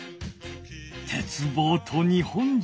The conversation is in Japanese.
鉄棒と日本人。